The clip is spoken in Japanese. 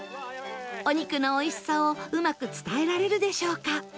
お肉のおいしさをうまく伝えられるでしょうか？